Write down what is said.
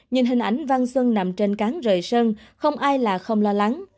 nhìn hình ảnh văn xuân nằm trên cán rời sân không ai là không lo lắng